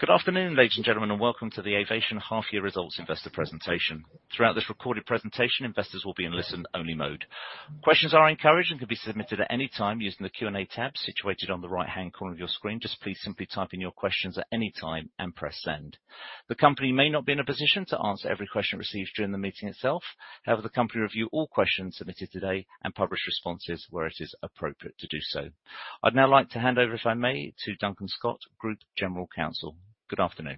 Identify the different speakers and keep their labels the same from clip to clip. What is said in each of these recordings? Speaker 1: Good afternoon, ladies and gentlemen, and welcome to the Avation Half Year Results Investor Presentation. Throughout this recorded presentation, investors will be in listen-only mode. Questions are encouraged and can be submitted at any time using the Q&A tab situated on the right-hand corner of your screen. Just please simply type in your questions at any time and press Send. The company may not be in a position to answer every question received during the meeting itself. However, the company will review all questions submitted today and publish responses where it is appropriate to do so. I'd now like to hand over, if I may, to Duncan Scott, Group General Counsel. Good afternoon.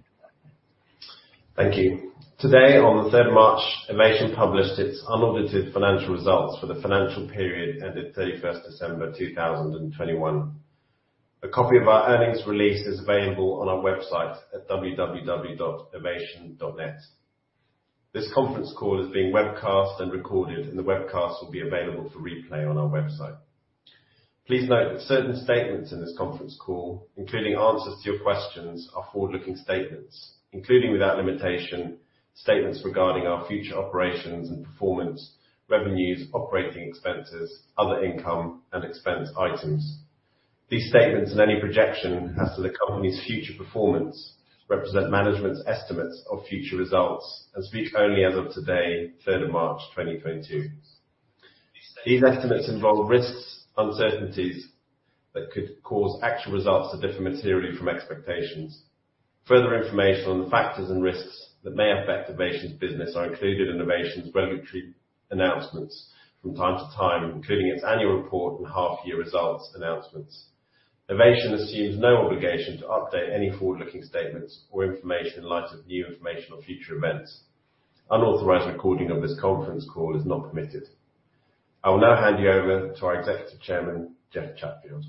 Speaker 2: Thank you. Today, on the third of March, Avation published its unaudited financial results for the financial period ending 31 December 2021. A copy of our earnings release is available on our website at www.avation.net. This conference call is being webcast and recorded, and the webcast will be available for replay on our website. Please note that certain statements in this conference call, including answers to your questions, are forward-looking statements, including without limitation, statements regarding our future operations and performance, revenues, operating expenses, other income and expense items. These statements and any projection as to the company's future performance represent management's estimates of future results and speak only as of today, third of March, 2022. These estimates involve risks, uncertainties that could cause actual results to differ materially from expectations. Further information on the factors and risks that may affect Avation's business are included in Avation's regulatory announcements from time to time, including its annual report and half year results announcements. Avation assumes no obligation to update any forward-looking statements or information in light of new information or future events. Unauthorized recording of this conference call is not permitted. I will now hand you over to our Executive Chairman, Jeff Chatfield.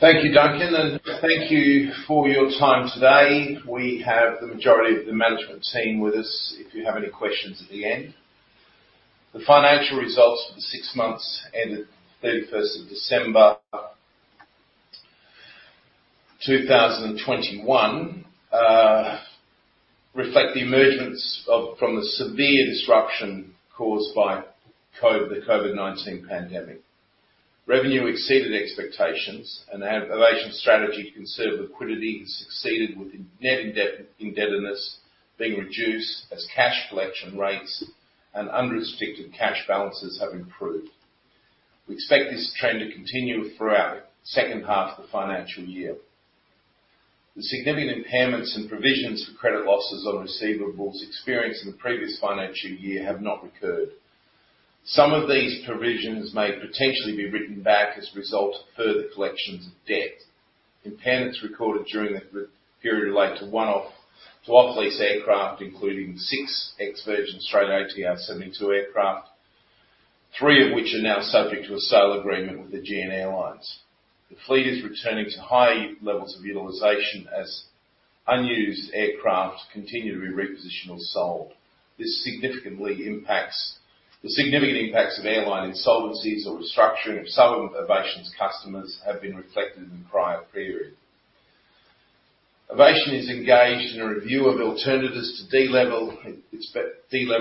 Speaker 3: Thank you, Duncan, and thank you for your time today. We have the majority of the management team with us if you have any questions at the end. The financial results for the six months ended December 31, 2021, reflect the emergence from the severe disruption caused by COVID-19, the COVID-19 pandemic. Revenue exceeded expectations, and Avation's strategy to conserve liquidity succeeded with net indebtedness being reduced as cash collection rates and unrestricted cash balances have improved. We expect this trend to continue throughout the second half of the financial year. The significant impairments and provisions for credit losses on receivables experienced in the previous financial year have not recurred. Some of these provisions may potentially be written back as a result of further collections of debt. Impairments recorded during the period relate to off-lease aircraft, including 6 ex-Virgin Australia ATR 72 aircraft, 3 of which are now subject to a sale agreement with Aegean Airlines. The fleet is returning to high levels of utilization as unused aircraft continue to be repositioned or sold. The significant impacts of airline insolvencies or restructuring of some of Avation's customers have been reflected in the prior period. Avation is engaged in a review of alternatives to de-lever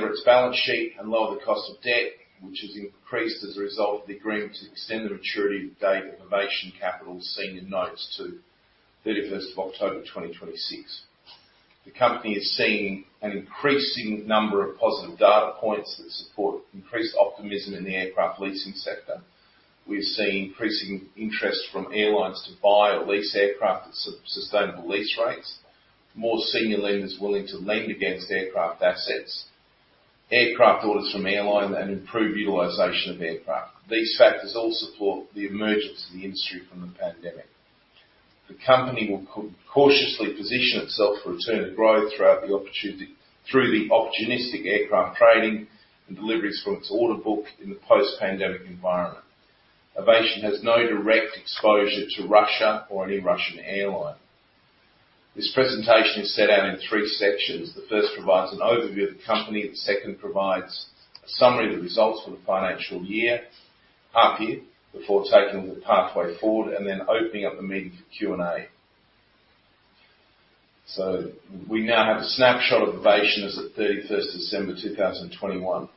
Speaker 3: its balance sheet and lower the cost of debt, which has increased as a result of the agreement to extend the maturity date of Avation Capital, seen in notes to 31 October 2026. The company is seeing an increasing number of positive data points that support increased optimism in the aircraft leasing sector. We're seeing increasing interest from airlines to buy or lease aircraft at sustainable lease rates, more senior lenders willing to lend against aircraft assets, aircraft orders from airlines, and improved utilization of aircraft. These factors all support the emergence of the industry from the pandemic. The company will cautiously position itself for return to growth through the opportunistic aircraft trading and deliveries from its order book in the post-pandemic environment. Avation has no direct exposure to Russia or any Russian airline. This presentation is set out in three sections. The first provides an overview of the company. The second provides a summary of the results for the financial half year before taking the pathway forward, and then opening up the meeting for Q&A. We now have a snapshot of Avation as at 31 December 2021.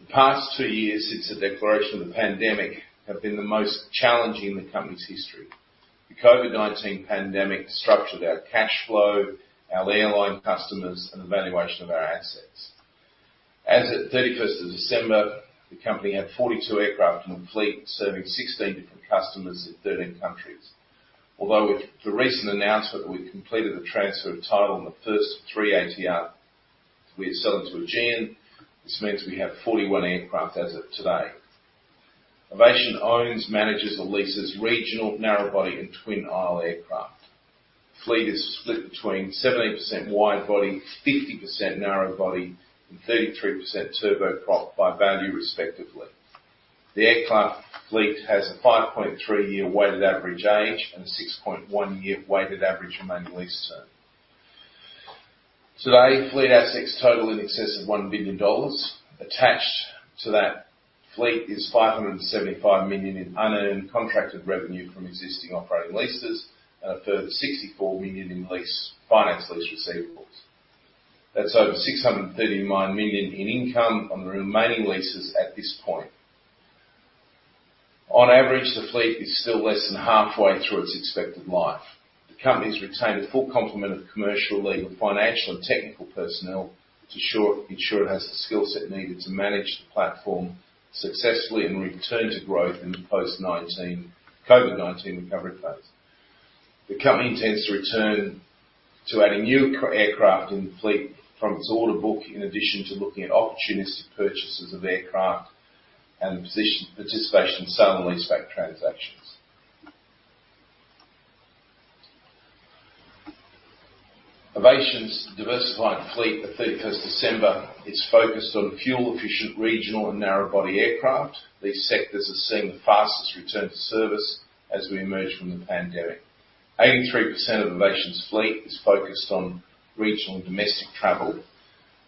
Speaker 3: The past 2 years since the declaration of the pandemic have been the most challenging in the company's history. The COVID-19 pandemic disrupted our cash flow, our airline customers, and the valuation of our assets. As at 31st of December, the company had 42 aircraft in the fleet, serving 16 different customers in 13 countries. Although with the recent announcement that we've completed the transfer of title on the first 3 ATR we are selling to Aegean, this means we have 41 aircraft as of today. Avation owns, manages, and leases regional narrow-body and twin-aisle aircraft. Fleet is split between 17% wide-body, 50% narrow-body, and 33% turboprop by value, respectively. The aircraft fleet has a 5.3-year weighted average age and a 6.1-year weighted average remaining lease term. Today, fleet assets total in excess of $1 billion. Attached to that fleet is $575 million in unearned contracted revenue from existing operating leases and a further $64 million in finance lease receivables. That's over $639 million in income on the remaining leases at this point. On average, the fleet is still less than halfway through its expected life. The company has retained a full complement of commercial, legal, financial and technical personnel to ensure it has the skill set needed to manage the platform successfully and return to growth in the post-COVID-19 recovery phase. The company intends to return to adding new aircraft in the fleet from its order book, in addition to looking at opportunistic purchases of aircraft and participation in sale and leaseback transactions. Avation's diversified fleet at 31 December is focused on fuel-efficient regional and narrow-body aircraft. These sectors are seeing the fastest return to service as we emerge from the pandemic. 83% of Avation's fleet is focused on regional and domestic travel,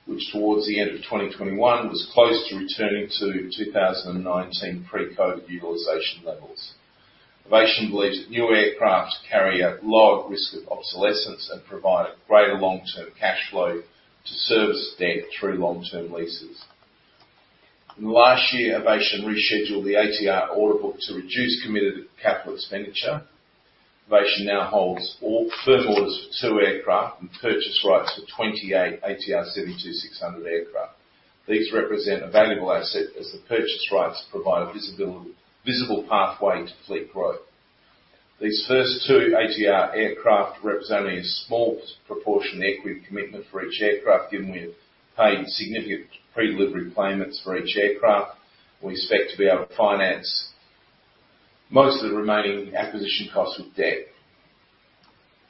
Speaker 3: which towards the end of 2021 was close to returning to 2019 pre-COVID utilization levels. Avation believes that new aircraft carry a lower risk of obsolescence and provide a greater long-term cash flow to service debt through long-term leases. In the last year, Avation rescheduled the ATR order book to reduce committed capital expenditure. Avation now holds all firm orders for 2 aircraft and purchase rights for 28 ATR 72-600 aircraft. These represent a valuable asset as the purchase rights provide visibility, visible pathway to fleet growth. These first 2 ATR aircraft represent a small proportion of equity commitment for each aircraft, given we have paid significant pre-delivery payments for each aircraft. We expect to be able to finance most of the remaining acquisition costs with debt.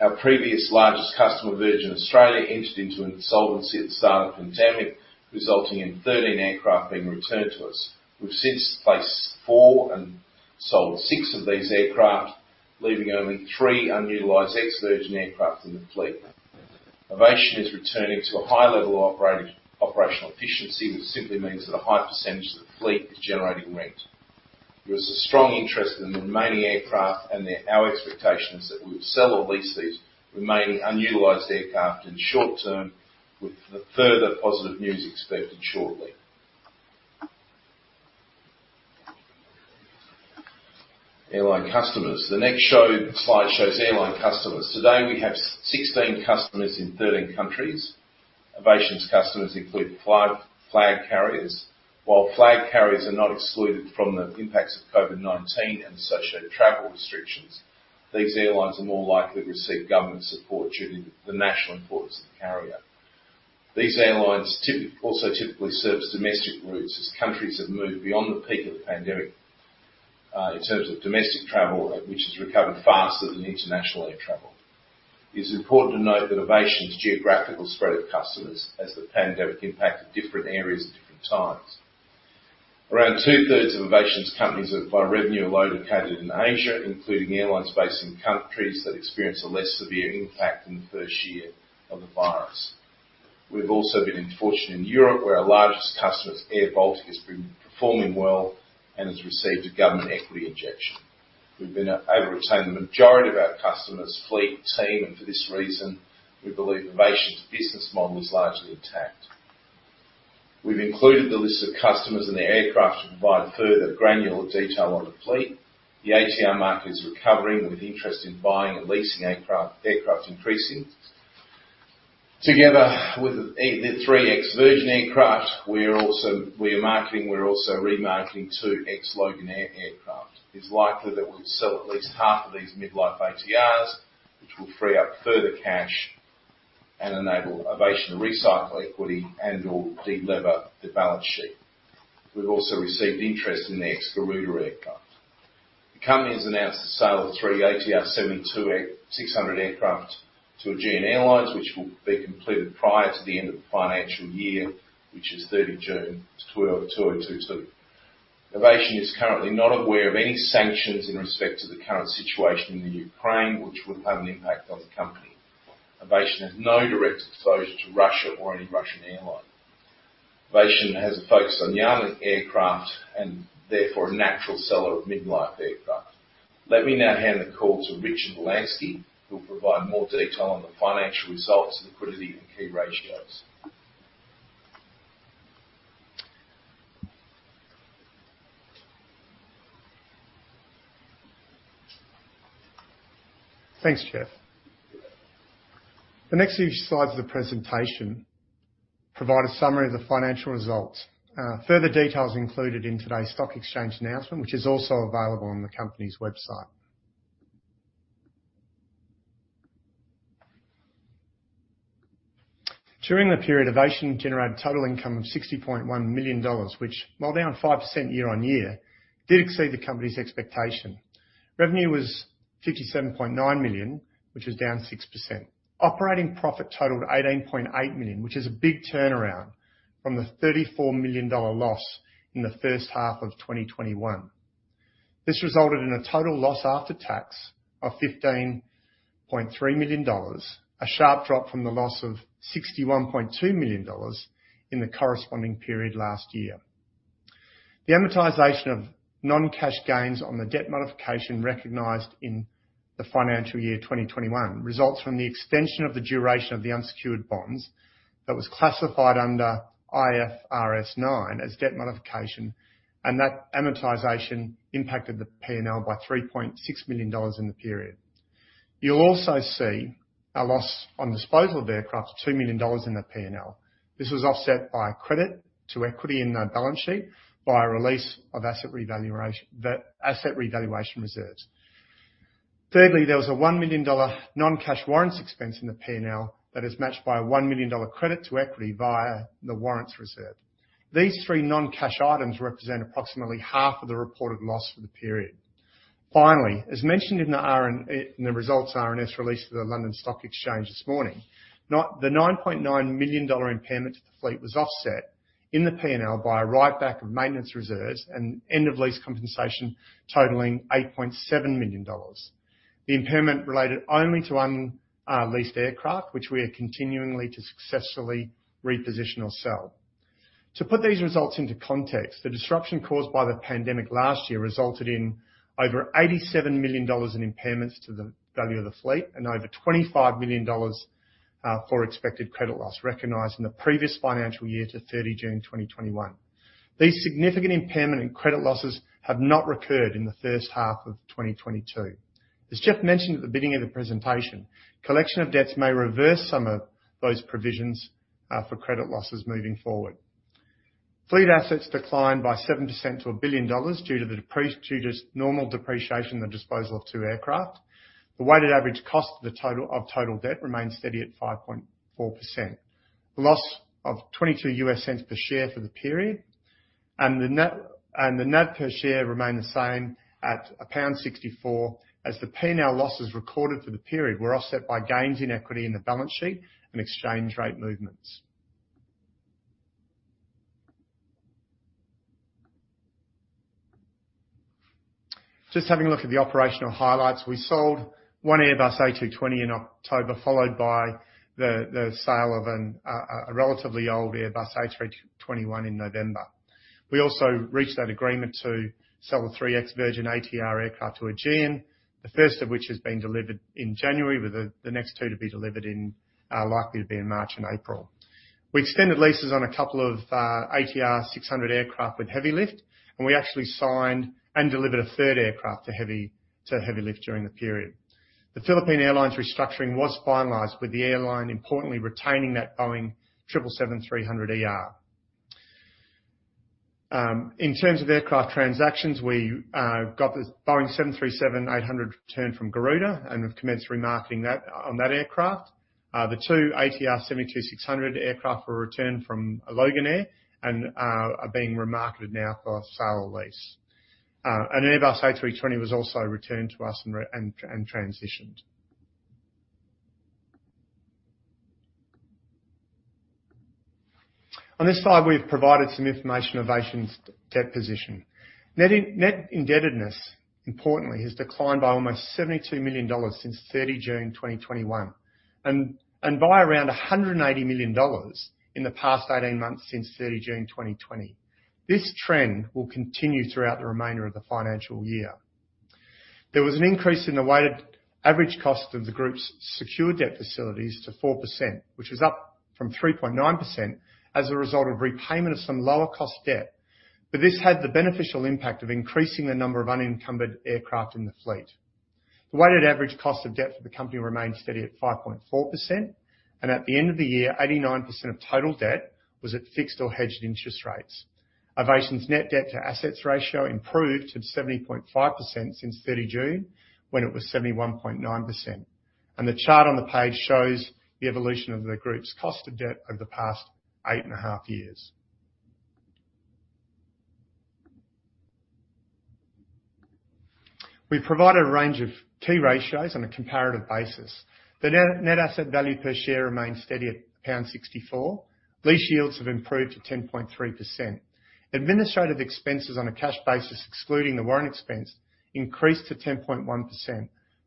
Speaker 3: Our previous largest customer, Virgin Australia, entered into insolvency at the start of the pandemic, resulting in 13 aircraft being returned to us. We've since placed 4 and sold 6 of these aircraft, leaving only 3 unutilized ex-Virgin aircraft in the fleet. Avation is returning to a high level of operational efficiency, which simply means that a high percentage of the fleet is generating rent. There is a strong interest in the remaining aircraft, and our expectations are that we would sell or lease these remaining unutilized aircraft in the short-term, with further positive news expected shortly. Airline customers. The next slide shows airline customers. Today, we have 16 customers in 13 countries. Avation's customers include flag carriers. While flag carriers are not excluded from the impacts of COVID-19 and associated travel restrictions, these airlines are more likely to receive government support due to the national importance of the carrier. These airlines also typically service domestic routes as countries have moved beyond the peak of the pandemic, in terms of domestic travel, which has recovered faster than international air travel. It is important to note that Avation's geographical spread of customers, as the pandemic impacted different areas at different times. Around two-thirds of Avation's customers, by revenue, are located in Asia, including airlines based in countries that experience a less severe impact in the first year of the virus. We've also been fortunate in Europe, where our largest customer, airBaltic, has been performing well and has received a government equity injection. We've been able to retain the majority of our customers, fleet, team, and for this reason, we believe Avation's business model is largely intact. We've included the list of customers and their aircraft to provide further granular detail on the fleet. The ATR market is recovering, with interest in buying and leasing aircraft increasing. Together with the 3 ex-Virgin aircraft, we are also remarketing 2 ex-Loganair aircraft. It's likely that we'll sell at least half of these mid-life ATRs, which will free up further cash and enable Avation to recycle equity and/or de-lever the balance sheet. We've also received interest in the ex-Garuda aircraft. The company has announced the sale of 3 ATR 72-600 aircraft to Aegean Airlines, which will be completed prior to the end of the financial year, which is 30 June 2022. Avation is currently not aware of any sanctions in respect to the current situation in the Ukraine, which would have an impact on the company. Avation has no direct exposure to Russia or any Russian airline. Avation has a focus on young aircraft and therefore a natural seller of mid-life aircraft. Let me now hand the call to Richard Wolanski, who'll provide more detail on the financial results, liquidity, and key ratios.
Speaker 4: Thanks, Jeff. The next few slides of the presentation provide a summary of the financial results. Further details are included in today's stock exchange announcement, which is also available on the company's website. During the period, Avation generated total income of $60.1 million, which, while down 5% year-on-year, did exceed the company's expectation. Revenue was $57.9 million, which was down 6%. Operating profit totaled $18.8 million, which is a big turnaround from the $34 million loss in the first half of 2021. This resulted in a total loss after tax of $15.3 million, a sharp drop from the loss of $61.2 million in the corresponding period last year. The amortization of non-cash gains on the debt modification recognized in the financial year 2021 results from the extension of the duration of the unsecured bonds that was classified under IFRS 9 as debt modification, and that amortization impacted the P&L by $3.6 million in the period. You'll also see a loss on disposal of aircraft, $2 million in the P&L. This was offset by credit to equity in the balance sheet by release of asset revaluation, the asset revaluation reserves. Thirdly, there was a $1 million non-cash warrants expense in the P&L that is matched by a $1 million credit to equity via the warrants reserve. These three non-cash items represent approximately half of the reported loss for the period. Finally, as mentioned in the results RNS released to the London Stock Exchange this morning. Now, the $9.9 million impairment to the fleet was offset in the P&L by a write back of maintenance reserves and end of lease compensation totaling $8.7 million. The impairment related only to unleased aircraft, which we are continuing to successfully reposition or sell. To put these results into context, the disruption caused by the pandemic last year resulted in over $87 million in impairments to the value of the fleet and over $25 million for expected credit loss recognized in the previous financial year to 30 June 2021. These significant impairment and credit losses have not recurred in the first half of 2022. As Jeff mentioned at the beginning of the presentation, collection of debts may reverse some of those provisions for credit losses moving forward. Fleet assets declined by 7% to $1 billion due to normal depreciation and disposal of 2 aircraft. The weighted average cost of total debt remains steady at 5.4%. The loss of $0.22 per share for the period and the NAV per share remained the same at £64 as the P&L losses recorded for the period were offset by gains in equity in the balance sheet and exchange rate movements. Just having a look at the operational highlights. We sold 1 Airbus A220 in October, followed by the sale of a relatively old Airbus A321 in November. We also reached that agreement to sell the 3 ex-Virgin ATR aircraft to Aegean, the first of which has been delivered in January, with the next two to be delivered in likely to be in March and April. We extended leases on a couple of ATR 72-600 aircraft with Hevilift, and we actually signed and delivered a third aircraft to Hevilift during the period. The Philippine Airlines restructuring was finalized with the airline importantly retaining that Boeing 777-300ER. In terms of aircraft transactions, we got the Boeing 737-800 returned from Garuda, and we've commenced remarketing that on that aircraft. The 2 ATR 72-600 aircraft were returned from Loganair and are being remarketed now for sale or lease. An Airbus A320 was also returned to us and transitioned. On this slide, we've provided some information of Avation's debt position. Net indebtedness, importantly, has declined by almost $72 million since 30 June 2021 and by around $180 million in the past 18 months since 30 June 2020. This trend will continue throughout the remainder of the financial year. There was an increase in the weighted average cost of the group's secured debt facilities to 4%, which is up from 3.9% as a result of repayment of some lower cost debt. This had the beneficial impact of increasing the number of unencumbered aircraft in the fleet. The weighted average cost of debt for the company remained steady at 5.4%, and at the end of the year, 89% of total debt was at fixed or hedged interest rates. Avation's net debt to assets ratio improved to 70.5% since 30 June, when it was 71.9%. The chart on the page shows the evolution of the group's cost of debt over the past 8.5 years. We've provided a range of key ratios on a comparative basis. The net asset value per share remained steady at pound 64. Lease yields have improved to 10.3%. Administrative expenses on a cash basis, excluding the warrant expense, increased to 10.1%,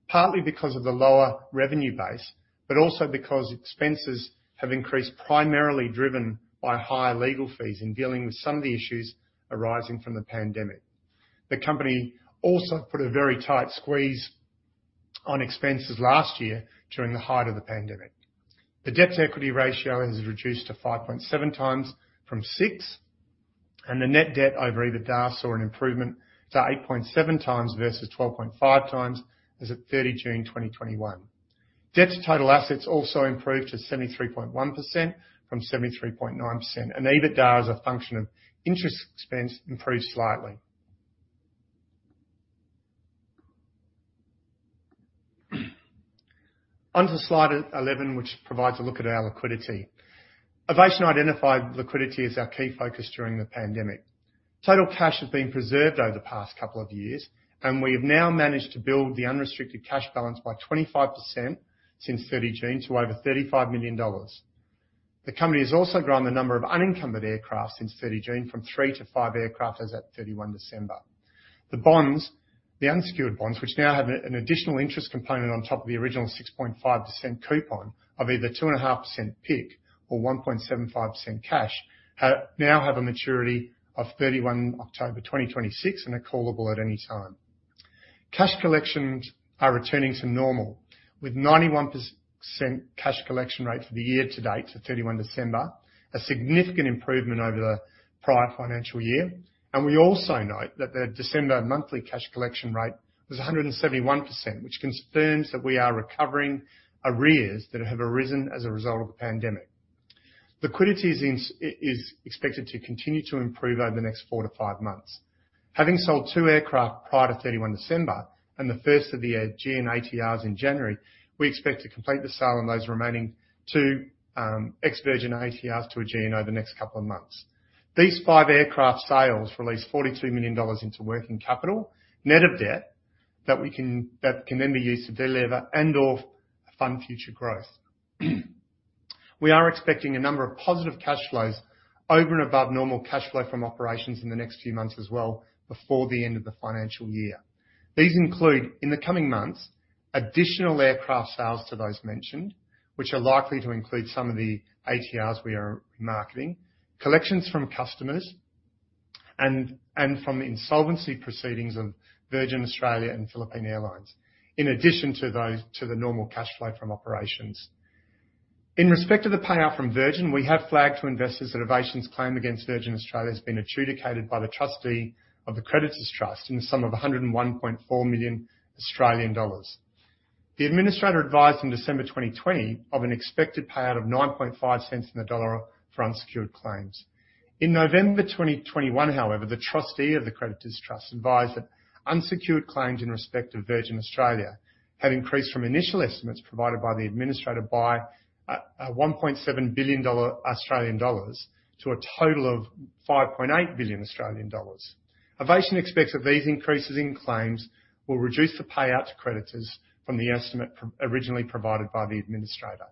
Speaker 4: partly because of the lower revenue base, but also because expenses have increased, primarily driven by higher legal fees in dealing with some of the issues arising from the pandemic. The company also put a very tight squeeze on expenses last year during the height of the pandemic. The debt to equity ratio has reduced to 5.7 times from 6, and the net debt over EBITDA saw an improvement to 8.7 times versus 12.5 times as at 30 June 2021. Debt to total assets also improved to 73.1% from 73.9%, and EBITDA as a function of interest expense improved slightly. On to slide 11, which provides a look at our liquidity. Avation identified liquidity as our key focus during the pandemic. Total cash has been preserved over the past couple of years, and we have now managed to build the unrestricted cash balance by 25% since 30 June to over $35 million. The company has also grown the number of unencumbered aircraft since 30 June from 3 to 5 aircraft as at 31 December. The bonds, the unsecured bonds, which now have an additional interest component on top of the original 6.5% coupon of either 2.5% PIK or 1.75% cash, now have a maturity of 31 October 2026 and are callable at any time. Cash collections are returning to normal with 91% cash collection rate for the year to date to 31 December, a significant improvement over the prior financial year. We also note that the December monthly cash collection rate was 171%, which confirms that we are recovering arrears that have arisen as a result of the pandemic. Liquidity is expected to continue to improve over the next 4-5 months. Having sold 2 aircraft prior to 31 December and the first of the ex-Virgin ATRs in January, we expect to complete the sale on those remaining two ex-Virgin ATRs to Aegean over the next couple of months. These 5 aircraft sales release $42 million into working capital, net of debt that can then be used to delever and/or fund future growth. We are expecting a number of positive cash flows over and above normal cash flow from operations in the next few months as well before the end of the financial year. These include, in the coming months, additional aircraft sales to those mentioned, which are likely to include some of the ATRs we are marketing, collections from customers and from the insolvency proceedings of Virgin Australia and Philippine Airlines, in addition to the normal cash flow from operations. In respect to the payout from Virgin, we have flagged to investors that Avation's claim against Virgin Australia has been adjudicated by the trustee of the Creditors' Trust in the sum of 101.4 million Australian dollars. The administrator advised in December 2020 of an expected payout of 9.5 cents on the dollar for unsecured claims. In November 2021, however, the trustee of the Creditors' Trust advised that unsecured claims in respect of Virgin Australia have increased from initial estimates provided by the administrator by 1.7 billion Australian dollars to a total of 5.8 billion Australian dollars. Avation expects that these increases in claims will reduce the payout to creditors from the estimate originally provided by the administrator.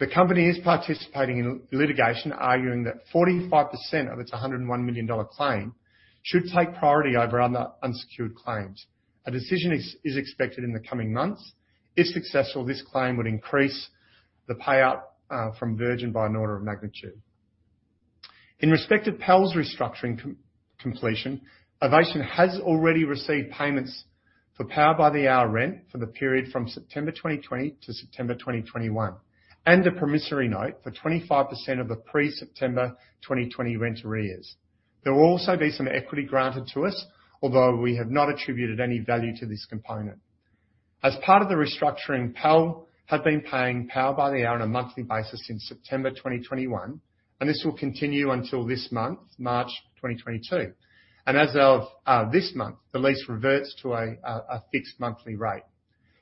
Speaker 4: The company is participating in litigation, arguing that 45% of its 101 million dollar claim should take priority over other unsecured claims. A decision is expected in the coming months. If successful, this claim would increase the payout from Virgin by an order of magnitude. In respect of PAL's restructuring completion, Avation has already received payments for Power by the Hour rent for the period from September 2020 to September 2021, and a promissory note for 25% of the pre-September 2020 rent arrears. There will also be some equity granted to us, although we have not attributed any value to this component. As part of the restructuring, PAL had been paying Power by the Hour on a monthly basis since September 2021, and this will continue until this month, March 2022. As of this month, the lease reverts to a fixed monthly rate.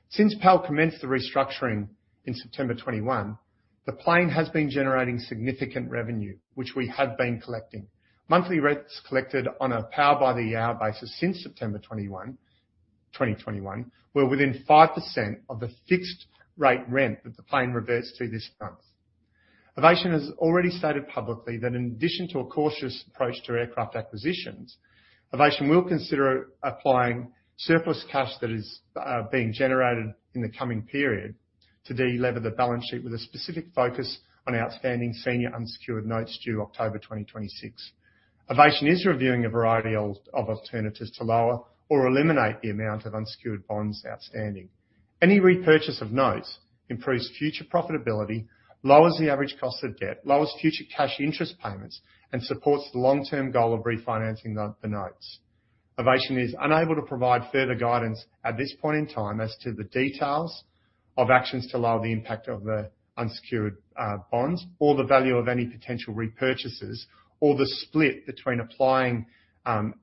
Speaker 4: Since PAL commenced the restructuring in September 2021, the plane has been generating significant revenue, which we have been collecting. Monthly rents collected on a Power by the Hour basis since September 21, 2021, were within 5% of the fixed rate rent that the plane reverts to this month. Avation has already stated publicly that in addition to a cautious approach to aircraft acquisitions, Avation will consider applying surplus cash that is being generated in the coming period to delever the balance sheet with a specific focus on outstanding senior unsecured notes due October 2026. Avation is reviewing a variety of alternatives to lower or eliminate the amount of unsecured bonds outstanding. Any repurchase of notes improves future profitability, lowers the average cost of debt, lowers future cash interest payments, and supports the long-term goal of refinancing the notes. Avation is unable to provide further guidance at this point in time as to the details of actions to lower the impact of the unsecured bonds or the value of any potential repurchases or the split between applying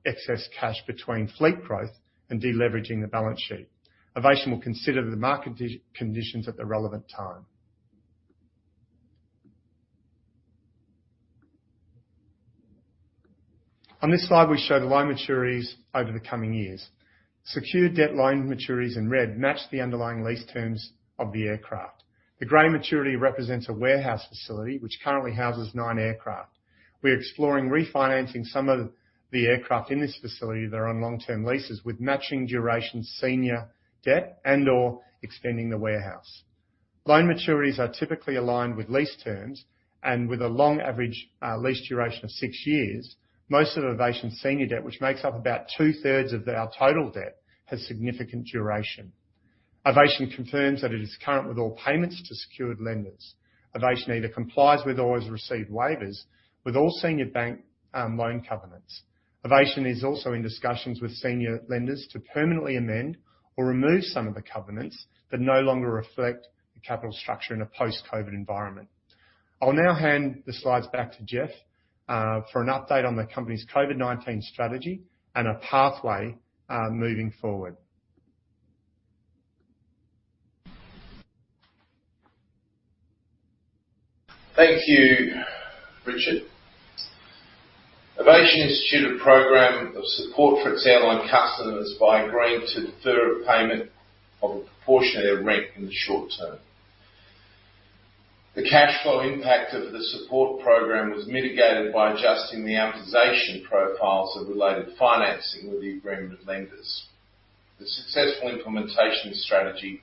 Speaker 4: excess cash between fleet growth and deleveraging the balance sheet. Avation will consider the market conditions at the relevant time. On this slide, we show the loan maturities over the coming years. Secured debt loan maturities in red match the underlying lease terms of the aircraft. The gray maturity represents a warehouse facility which currently houses nine aircraft. We're exploring refinancing some of the aircraft in this facility that are on long-term leases with matching duration senior debt and/or extending the warehouse. Loan maturities are typically aligned with lease terms and with a long average lease duration of six years. Most of Avation's senior debt, which makes up about two-thirds of our total debt, has significant duration. Avation confirms that it is current with all payments to secured lenders. Avation either complies with or has received waivers with all senior bank, loan covenants. Avation is also in discussions with senior lenders to permanently amend or remove some of the covenants that no longer reflect the capital structure in a post-COVID environment. I'll now hand the slides back to Jeff for an update on the company's COVID-19 strategy and a pathway moving forward.
Speaker 3: Thank you, Richard. Avation instituted a program of support for its airline customers by agreeing to defer a payment of a proportion of their rent in the short term. The cash flow impact of the support program was mitigated by adjusting the amortization profiles of related financing with the agreement lenders. The successful implementation strategy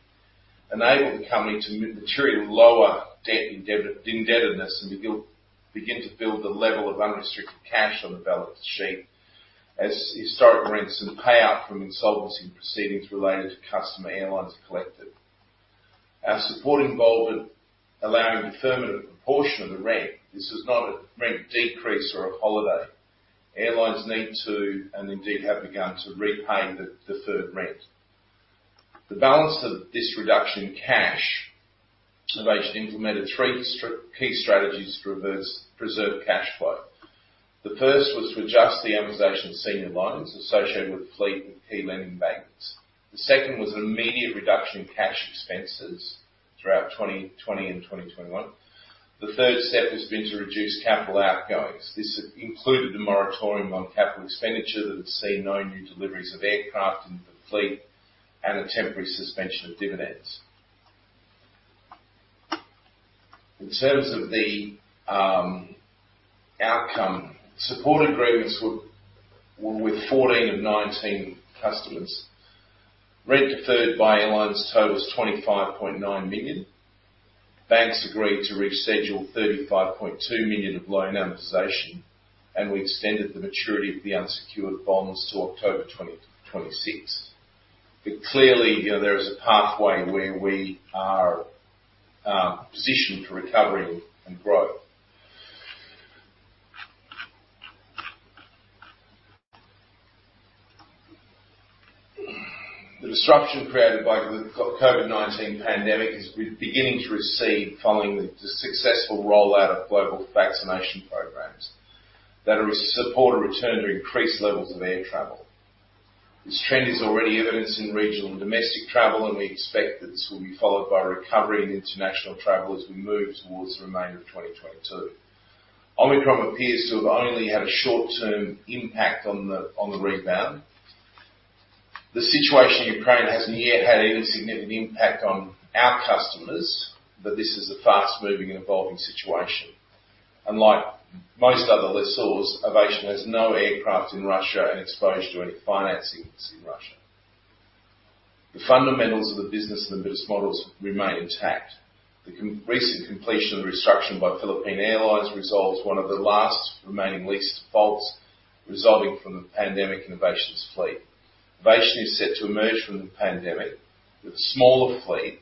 Speaker 3: enabled the company to materially lower debt indebtedness and to begin to build the level of unrestricted cash on the balance sheet as historic rents and payout from insolvency proceedings related to customer airlines collected. Our support involved allowing deferment of a portion of the rent. This is not a rent decrease or a holiday. Airlines need to, and indeed have begun, to repay the deferred rent. To balance this reduction in cash, Avation implemented three key strategies to preserve cash flow. The first was to adjust the amortization of senior loans associated with fleet with key lending banks. The second was an immediate reduction in cash expenses throughout 2020 and 2021. The third step has been to reduce capital outgoings. This included a moratorium on capital expenditure that had seen no new deliveries of aircraft into the fleet and a temporary suspension of dividends. In terms of the outcome, support agreements were with 14 of 19 customers. Rent deferred by airlines totals $25.9 million. Banks agreed to reschedule $35.2 million of loan amortization, and we extended the maturity of the unsecured bonds to October 2026. Clearly, you know, there is a pathway where we are positioned for recovery and growth. The disruption created by the COVID-19 pandemic is beginning to recede following the successful rollout of global vaccination programs that will support a return to increased levels of air travel. This trend is already evidenced in regional and domestic travel, and we expect that this will be followed by a recovery in international travel as we move towards the remainder of 2022. Omicron appears to have only had a short-term impact on the rebound. The situation in Ukraine hasn't yet had any significant impact on our customers, but this is a fast-moving and evolving situation. Unlike most other lessors, Avation has no aircraft in Russia and exposure to any financings in Russia. The fundamentals of the business and the business models remain intact. The recent completion of the restructure by Philippine Airlines resolves one of the last remaining lease defaults resulting from the pandemic in Avation's fleet. Avation is set to emerge from the pandemic with a smaller fleet,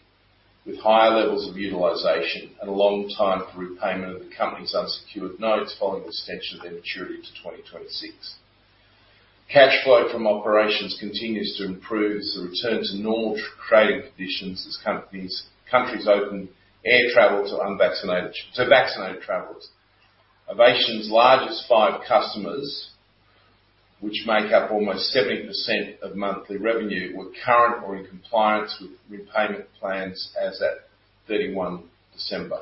Speaker 3: with higher levels of utilization and a long time for repayment of the company's unsecured notes following the extension of their maturity to 2026. Cash flow from operations continues to improve as the return to normal trading conditions as countries open air travel to vaccinated travelers. Avation's largest five customers, which make up almost 70% of monthly revenue, were current or in compliance with repayment plans as at 31 December.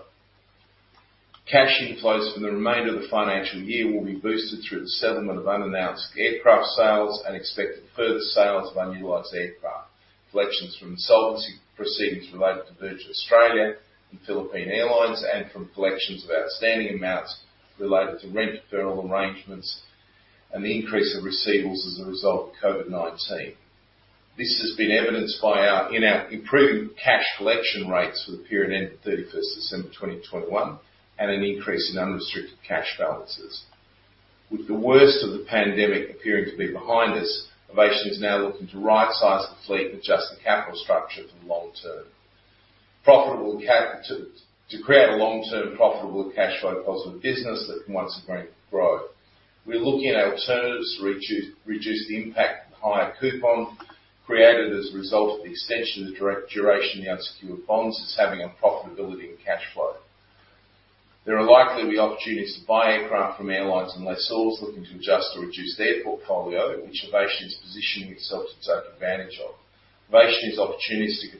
Speaker 3: Cash inflows for the remainder of the financial year will be boosted through the settlement of unannounced aircraft sales and expected further sales of unutilized aircraft, collections from insolvency proceedings related to Virgin Australia and Philippine Airlines, and from collections of outstanding amounts related to rent deferral arrangements and the increase of receivables as a result of COVID-19. This has been evidenced by in our improving cash collection rates for the period ending December 31, 2021, and an increase in unrestricted cash balances. With the worst of the pandemic appearing to be behind us, Avation is now looking to right-size the fleet and adjust the capital structure for the long term. To create a long-term, profitable and cashflow positive business that can once again grow. We're looking at alternatives to reduce the impact of the higher coupon created as a result of the extension of the duration of the unsecured bonds as having on profitability and cash flow. There are likely to be opportunities to buy aircraft from airlines and lessors looking to adjust or reduce their portfolio, which Avation is positioning itself to take advantage of. Avation is optimistic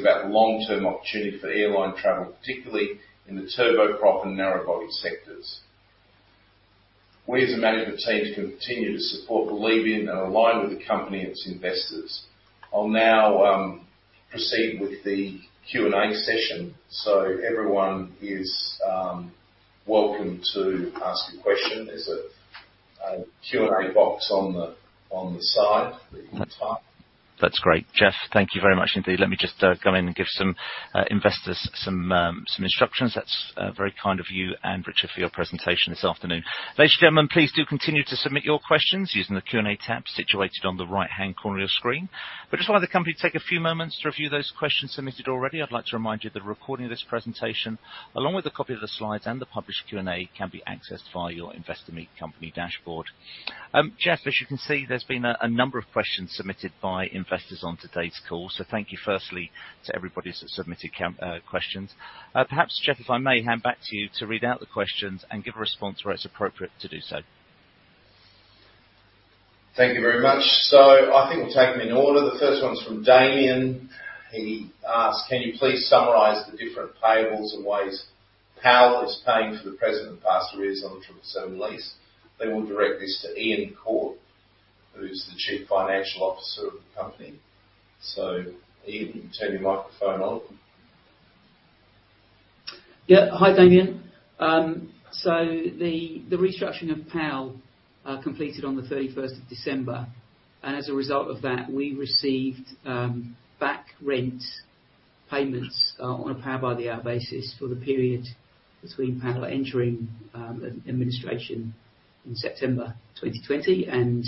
Speaker 3: about the long-term opportunity for airline travel, particularly in the turboprop and narrow-body sectors. We, as a management team, continue to support, believe in, and align with the company and its investors. I'll now proceed with the Q&A session. Everyone is welcome to ask a question. There's a Q&A box on the side that you can type.
Speaker 1: That's great. Jeff, thank you very much indeed. Let me just go in and give some investors some instructions. That's very kind of you and Richard for your presentation this afternoon. Ladies and gentlemen, please do continue to submit your questions using the Q&A tab situated on the right-hand corner of your screen. Just while the company take a few moments to review those questions submitted already, I'd like to remind you that a recording of this presentation, along with a copy of the slides and the published Q&A, can be accessed via your Investor Meet Company dashboard. Jeff, as you can see, there's been a number of questions submitted by investors on today's call. Thank you firstly to everybody that's submitted questions. Perhaps, Jeff, if I may hand back to you to read out the questions and give a response where it's appropriate to do so.
Speaker 3: Thank you very much. I think we'll take them in order. The first one is from Damien. He asks, "Can you please summarize the different payables and ways PAL is paying for the present and past arrears on the Triple Seven lease?" They will direct this to Iain Cawte, who's the Chief Financial Officer of the company. Iain, turn your microphone on.
Speaker 5: Yeah. Hi, Damien. So the restructuring of PAL completed on the thirty-first of December. As a result of that, we received back rent payments on a Power by the Hour basis for the period between PAL entering administration in September 2020 and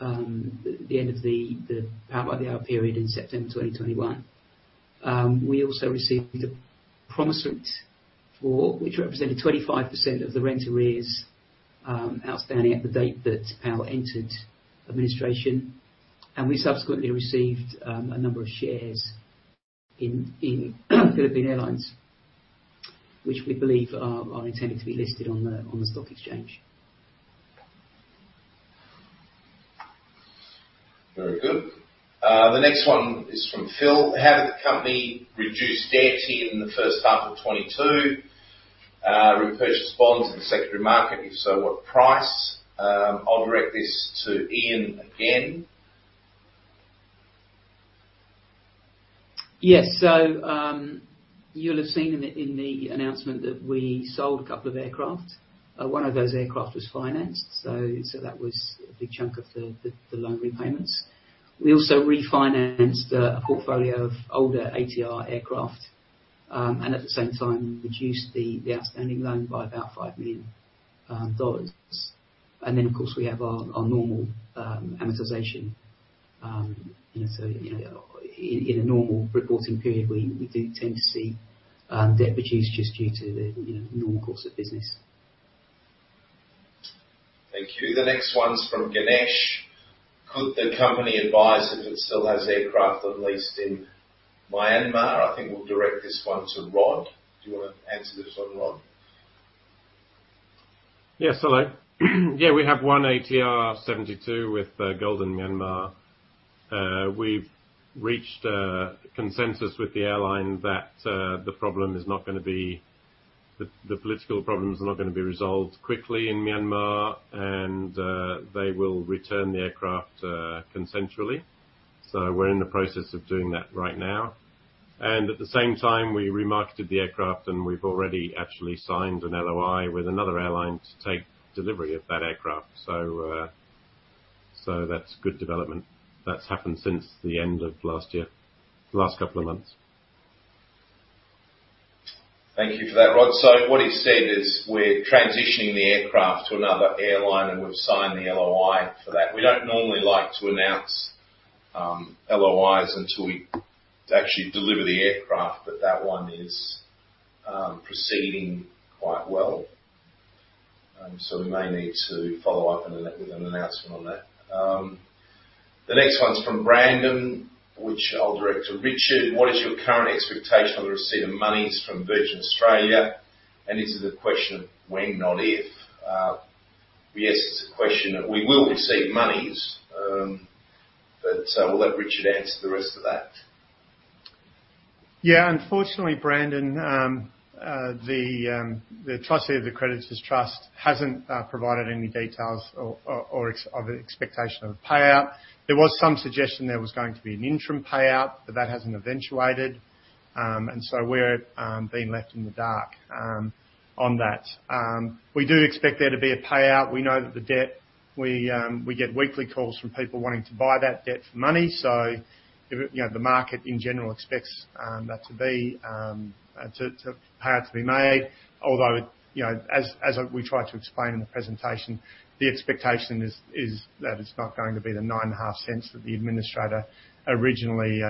Speaker 5: the end of the Power by the Hour period in September 2021. We also received a promissory note which represented 25% of the rent arrears outstanding at the date that PAL entered administration. We subsequently received a number of shares in Philippine Airlines, which we believe are intended to be listed on the stock exchange.
Speaker 3: Very good. The next one is from Phil. How did the company reduce debt in the first half of 2022? Repurchase bonds in the secondary market. If so, what price? I'll direct this to Iain again.
Speaker 5: Yes. You'll have seen in the announcement that we sold a couple of aircraft. One of those aircraft was financed. So that was a big chunk of the loan repayments. We also refinanced a portfolio of older ATR aircraft, and at the same time, reduced the outstanding loan by about $5 million. Of course, we have our normal amortization. You know, in a normal reporting period, we do tend to see debt reduced just due to the normal course of business.
Speaker 3: Thank you. The next one's from Ganesh. Could the company advise if it still has aircraft on lease in Myanmar? I think we'll direct this one to Rod. Do you wanna answer this one, Rod?
Speaker 6: Yes. Hello. We have one ATR 72 with Golden Myanmar. We've reached a consensus with the airline that the political problems are not gonna be resolved quickly in Myanmar, and they will return the aircraft consensually. We're in the process of doing that right now. At the same time, we remarketed the aircraft, and we've already actually signed an LOI with another airline to take delivery of that aircraft. That's good development. That's happened since the end of last year. The last couple of months.
Speaker 3: Thank you for that, Rod. What he said is we're transitioning the aircraft to another airline, and we've signed the LOI for that. We don't normally like to announce LOIs until we actually deliver the aircraft, but that one is proceeding quite well. We may need to follow up with an announcement on that. The next one's from Brandon, which I'll direct to Richard. What is your current expectation on the receipt of monies from Virgin Australia? And is it a question of when, not if? Yes, it's a question of we will receive monies, but we'll let Richard answer the rest of that.
Speaker 4: Yeah. Unfortunately, Brandon, the trustee of the Creditors' Trust hasn't provided any details or expectations of a payout. There was some suggestion there was going to be an interim payout, but that hasn't eventuated. We're being left in the dark on that. We do expect there to be a payout. We know that we get weekly calls from people wanting to buy that debt for money. You know, the market, in general, expects that payout to be made. Although, you know, as we tried to explain in the presentation, the expectation is that it's not going to be the 9.5 cents that the administrator originally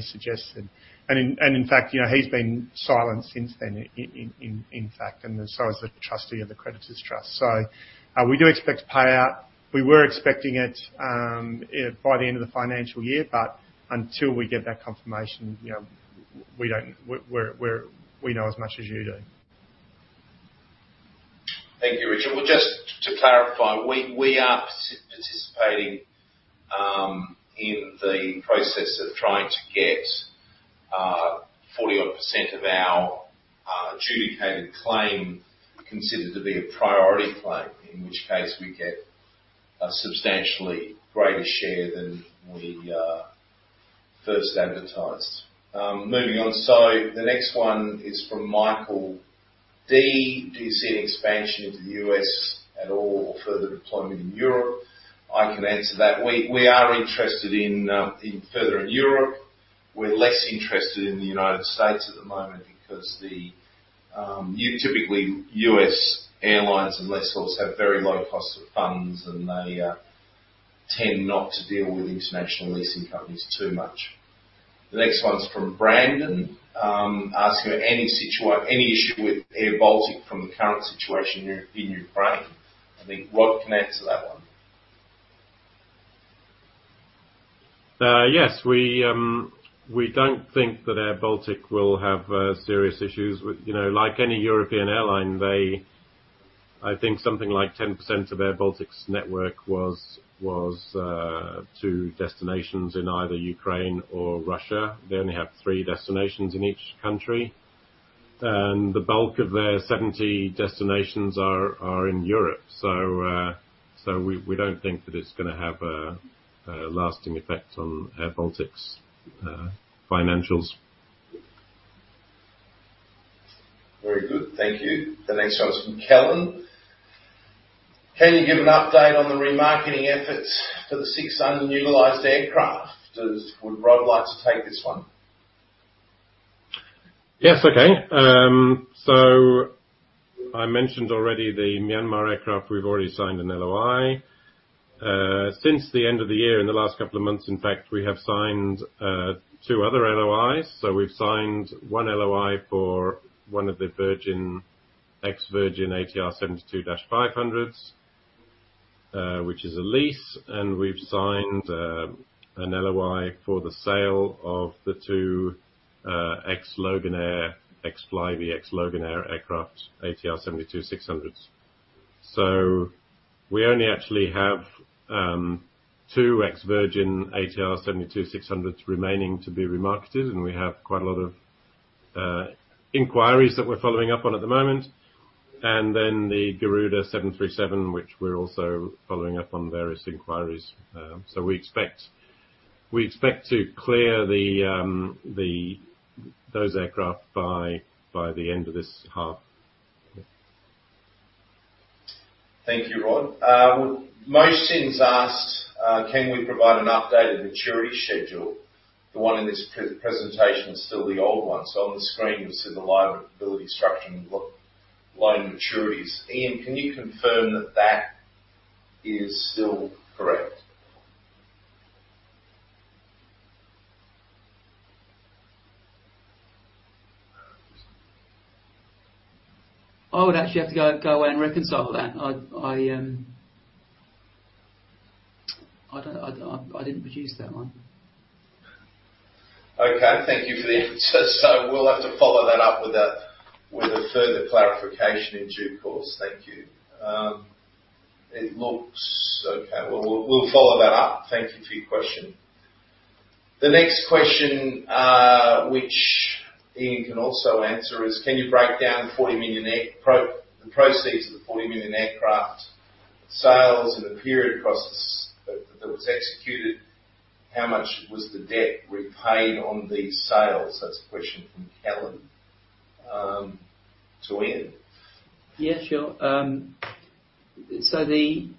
Speaker 4: suggested. In fact, you know, he's been silent since then in fact, and so has the trustee of the Creditors' Trust. We do expect to pay out. We were expecting it by the end of the financial year, but until we get that confirmation, you know, we know as much as you do.
Speaker 3: Thank you, Richard. Well, just to clarify, we are participating in the process of trying to get 40-odd% of our adjudicated claim considered to be a priority claim, in which case we get a substantially greater share than we first advertised. Moving on. The next one is from Michael D. Do you see an expansion into the U.S. at all or further deployment in Europe? I can answer that. We are interested in further in Europe. We're less interested in the United States at the moment because typically, U.S. airlines and lessors have very low cost of funds, and they tend not to deal with international leasing companies too much. The next one's from Brandon, asking any issue with airBaltic from the current situation in Ukraine. I think Rod can answer that one.
Speaker 6: Yes. We don't think that airBaltic will have serious issues. You know, like any European airline, I think something like 10% of airBaltic's network was to destinations in either Ukraine or Russia. They only have three destinations in each country. The bulk of their 70 destinations are in Europe. We don't think that it's gonna have a lasting effect on airBaltic's financials.
Speaker 3: Very good. Thank you. The next one is from Kulan. Can you give an update on the remarketing efforts for the 6 unutilized aircraft? Would Rod like to take this one?
Speaker 6: Yes. Okay. I mentioned already the Myanmar aircraft. We've already signed an LOI. Since the end of the year, in the last couple of months, in fact, we have signed two other LOIs. We've signed one LOI for one of the Virgin, ex-Virgin ATR72-500s, which is a lease, and we've signed an LOI for the sale of the two ex-Loganair, ex-Flybe, ex-Loganair aircraft ATR72-600s. We only actually have two ex-Virgin ATR72-600s remaining to be remarketed, and we have quite a lot of inquiries that we're following up on at the moment. The Garuda 737, which we're also following up on various inquiries. We expect to clear those aircraft by the end of this half.
Speaker 3: Thank you, Rod. Mohsin's asked, can we provide an updated maturity schedule? The one in this pre-presentation is still the old one. On the screen, you'll see the liability structure and loan maturities. Iain, can you confirm that that is still correct?
Speaker 5: I would actually have to go away and reconcile that. I didn't produce that one.
Speaker 3: Okay. Thank you for the answer. We'll have to follow that up with a further clarification in due course. Thank you. It looks okay. We'll follow that up. Thank you for your question. The next question, which Iain can also answer is, can you break down the proceeds of the $40 million aircraft sales in the period that was executed? How much was the debt repaid on these sales? That's a question from Kellan. To Iain.
Speaker 5: Yeah, sure. So the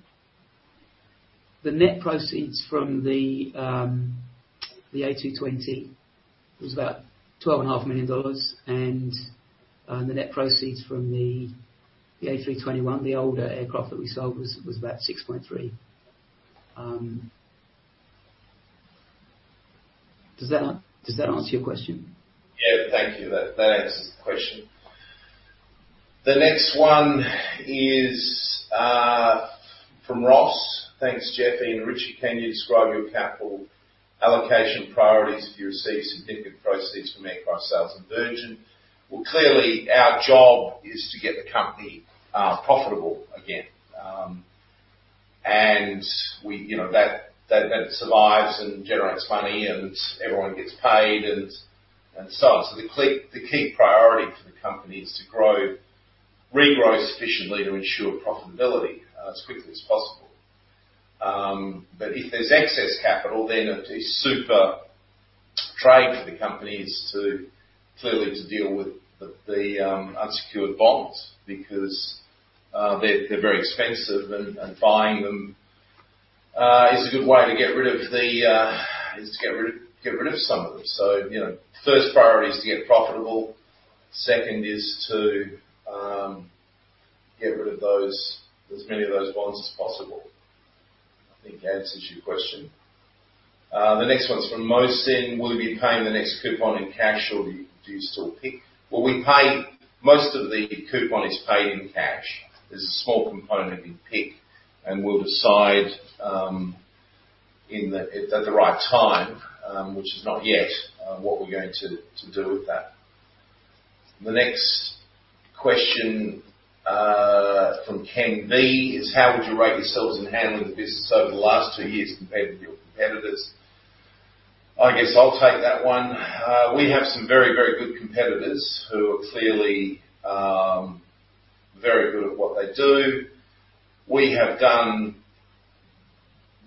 Speaker 5: net proceeds from the A220 was about $12.5 million. The net proceeds from the A321, the older aircraft that we sold, was about $6.3 million. Does that answer your question?
Speaker 3: Yeah. Thank you. That answers the question.
Speaker 1: The next one is from Ross. Thanks, Jeff and Richard. Can you describe your capital allocation priorities if you receive significant proceeds from aircraft sales from Virgin?
Speaker 3: Well, clearly our job is to get the company profitable again. And we, you know, that then survives and generates money and everyone gets paid and so on. The key priority for the company is to grow, regrow sufficiently to ensure profitability as quickly as possible. If there's excess capital, then a super trade for the company is to clearly deal with the unsecured bonds because they're very expensive and buying them is a good way to get rid of some of them. You know, first priority is to get profitable. Second is to get rid of those, as many of those bonds as possible. I think that answers your question. The next one's from Mohsin. Will you be paying the next coupon in cash or do you still pick? Well, we pay. Most of the coupon is paid in cash. There's a small component in pick, and we'll decide at the right time, which is not yet, what we're going to do with that. The next question from Ken B is how would you rate yourselves in handling the business over the last two years compared with your competitors? I guess I'll take that one. We have some very good competitors who are clearly very good at what they do. We have done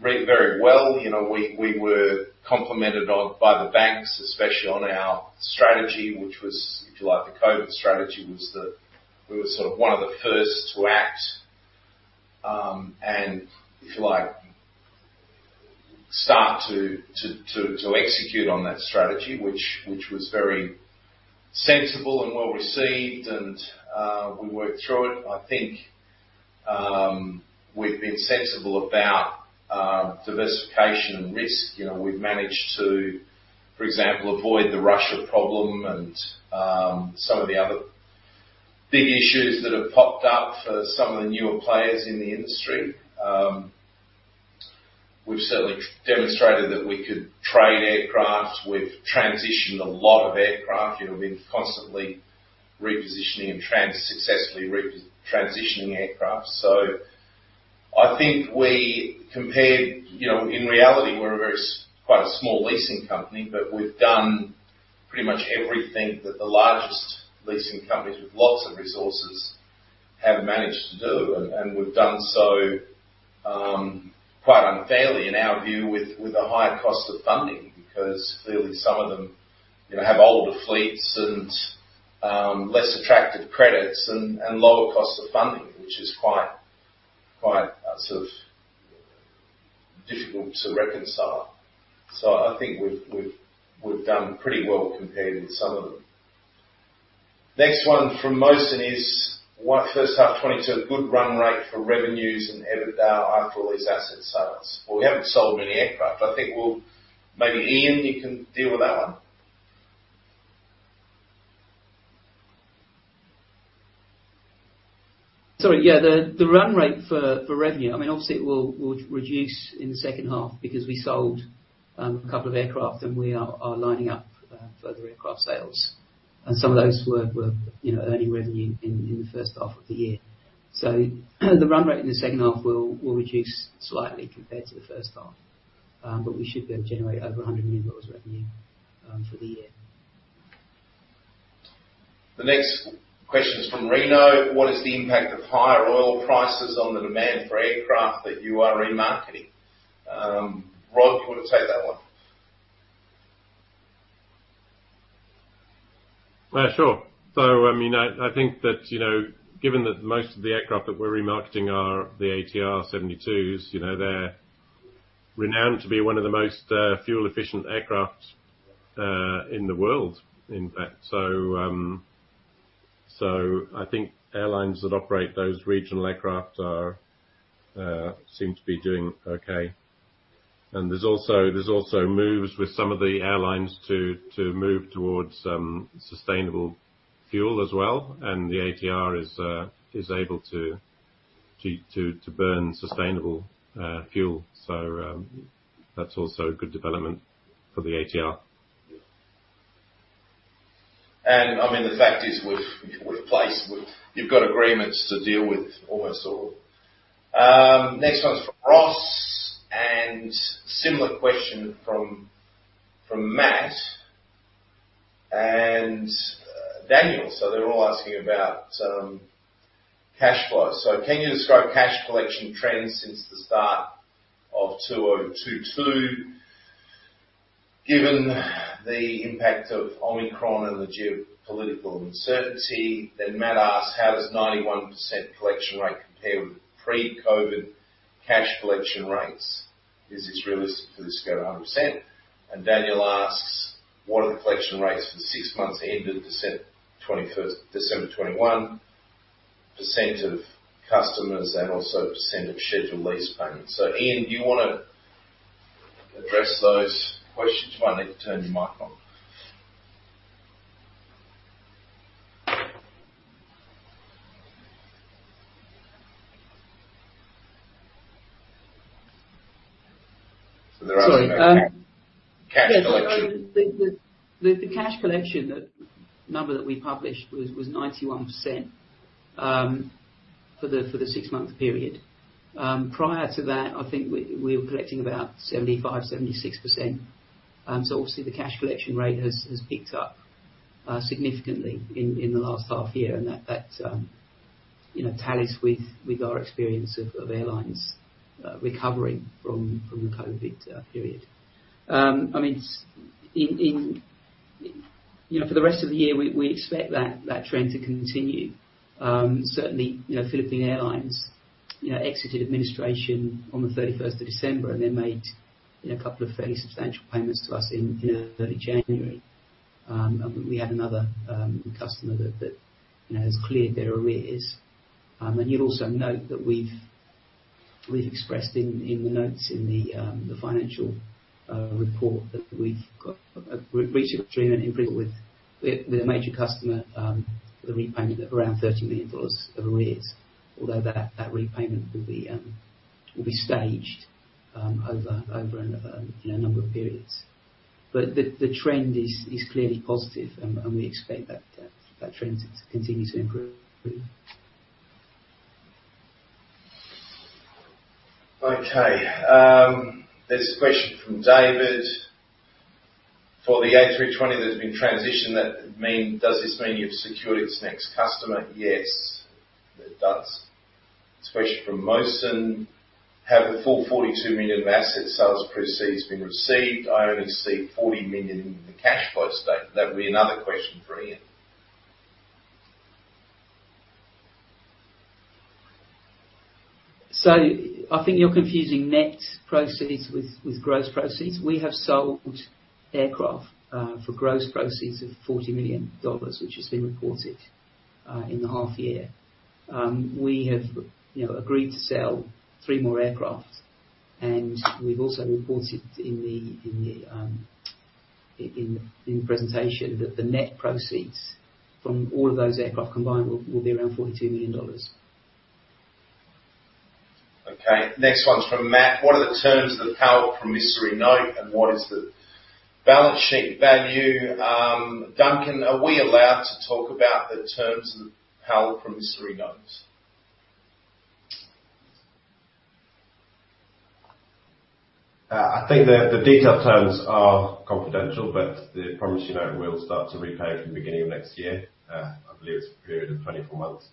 Speaker 3: very well. You know, we were complimented on by the banks, especially on our strategy, which was, if you like, the COVID strategy, was that we were sort of one of the first to act, and if you like, start to execute on that strategy, which was very sensible and well-received and we worked through it. I think, we've been sensible about diversification and risk. You know, we've managed to, for example, avoid the Russia problem and some of the other big issues that have popped up for some of the newer players in the industry. We've certainly demonstrated that we could trade aircraft. We've transitioned a lot of aircraft. You know, we've been constantly repositioning and successfully transitioning aircraft. I think we compared, you know, in reality, we're a very quite a small leasing company, but we've done pretty much everything that the largest leasing companies with lots of resources have managed to do. We've done so quite unfairly, in our view, with a higher cost of funding. Because clearly some of them, you know, have older fleets and less attractive credits and lower costs of funding, which is quite sort of difficult to reconcile. I think we've done pretty well compared with some of them. Next one from Mohsin is: First half 2022, good run rate for revenues and EBITDA after all these asset sales. Well, we haven't sold many aircraft. Maybe Iain, you can deal with that one.
Speaker 5: Sorry. Yeah. The run rate for revenue, I mean, obviously it will reduce in the second half because we sold a couple of aircraft and we are lining up further aircraft sales. Some of those were, you know, earning revenue in the first half of the year. The run rate in the second half will reduce slightly compared to the first half. But we should be able to generate over $100 million revenue for the year.
Speaker 3: The next question is from Reno: What is the impact of higher oil prices on the demand for aircraft that you are remarketing? Rod, do you wanna take that one?
Speaker 7: Sure. I mean, I think that, you know, given that most of the aircraft that we're remarketing are the ATR 72s, you know, they're renowned to be one of the most fuel efficient aircraft in the world, in fact. I think airlines that operate those regional aircraft seem to be doing okay. There's also moves with some of the airlines to move towards sustainable fuel as well, and the ATR is able to burn sustainable fuel. That's also a good development for the ATR.
Speaker 3: I mean, the fact is we've placed, you've got agreements to deal with almost all. Next one's from Ross. Similar question from Matt and Daniel. They're all asking about cash flow. Can you describe cash collection trends since the start of 2022, given the impact of Omicron and the geopolitical uncertainty? Then Matt asks: How does 91% collection rate compare with pre-COVID cash collection rates? Is this realistic for this to go to 100%? Daniel asks: What are the collection rates for the six months ending December 21? % of customers, and also % of scheduled lease payments. Iain, do you want to address those questions? You might need to turn your mic on. They're asking about cash
Speaker 5: Sorry.
Speaker 3: Cash collection.
Speaker 5: Yeah. The cash collection, the number that we published was 91% for the six-month period. Prior to that, I think we were collecting about 75-76%. Obviously the cash collection rate has picked up significantly in the last half year. That you know tallies with our experience of airlines recovering from the COVID period. I mean you know for the rest of the year, we expect that trend to continue. Certainly you know Philippine Airlines you know exited administration on the thirty-first of December, and they made you know a couple of fairly substantial payments to us in you know early January. We have another customer that you know has cleared their arrears. You'll also note that we've expressed in the notes in the financial report that we've reached an agreement with a major customer for the repayment of around $30 million of arrears. Although that repayment will be staged over a number of, you know, periods. The trend is clearly positive and we expect that trend to continue to improve.
Speaker 3: Okay. There's a question from David: For the A320 that has been transitioned, does this mean you've secured its next customer? Yes, it does. There's a question from Mohsin: Have the full $42 million of asset sales proceeds been received? I only see $40 million in the cash flow statement. That will be another question for Iain.
Speaker 5: I think you're confusing net proceeds with gross proceeds. We have sold aircraft for gross proceeds of $40 million, which has been reported in the half year. We have, you know, agreed to sell three more aircraft. We've also reported in the presentation that the net proceeds from all of those aircraft combined will be around $42 million.
Speaker 3: Okay. Next one's from Matt: What are the terms of the PAL promissory note, and what is the balance sheet value? Duncan, are we allowed to talk about the terms of the held promissory notes?
Speaker 2: I think the detailed terms are confidential, but the promissory note will start to repay at the beginning of next year. I believe it's a period of 24 months.